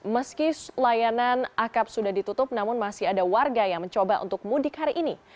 meski layanan akap sudah ditutup namun masih ada warga yang mencoba untuk mudik hari ini